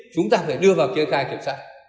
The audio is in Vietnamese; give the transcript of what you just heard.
chúng ta phải đưa vào kế hoạch kiểm soát